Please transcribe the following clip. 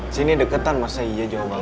sini deketan masa iya jauh banget